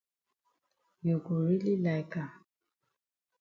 You go really like am